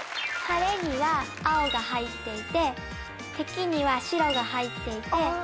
晴れには「青」が入っていて的には「白」が入っていて。